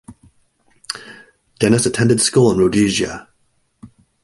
Dennis attended school in Rhodesia.